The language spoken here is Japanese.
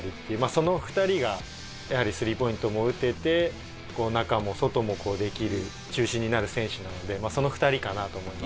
その２人がやはりスリーポイントも打てて中も外もできる中心になる選手なのでその２人かなと思います。